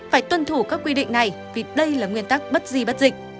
phải tuân thủ các quy định này vì đây là nguyên tắc bất di bất dịch